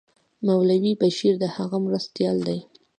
مولوي بشیر د هغه مرستیال دی.